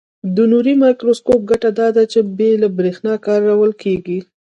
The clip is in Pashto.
د نوري مایکروسکوپ ګټه داده چې بې له برېښنا کارول کیږي.